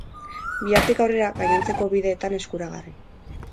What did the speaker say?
Bihartik aurrera gainontzeko bideetan eskuragarri.